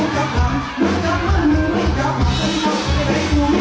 ทุกที่ว่าใช่ไหม